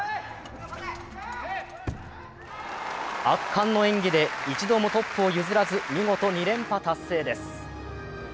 圧巻の演技で一度もトップを譲らず、見事、２連覇達成です。